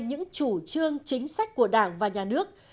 những chủ trương chính sách của đảng và nhà nước